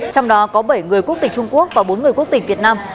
trong đó có bảy người quốc tịch trung quốc và bốn người quốc tịch việt nam